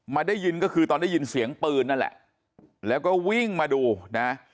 ได้ยินก็คือตอนได้ยินเสียงปืนนั่นแหละแล้วก็วิ่งมาดูนะ